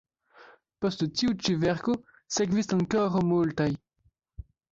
Post tiu ĉi verko sekvis ankoraŭ multaj.